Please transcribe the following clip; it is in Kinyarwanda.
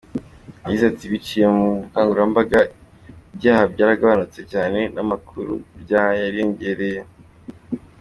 Yagize ati “Biciye mu bukangurambaga, ibyaha byaragabanutse cyane, n’amakuru ku byaha yariyongereye,.